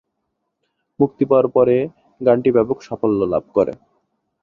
মুক্তি পাওয়ার পরে গানটি ব্যাপক সাফল্য লাভ করে।